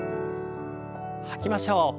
吐きましょう。